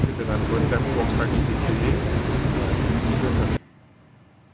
tapi dengan koneksi ini ini juga sangat kecil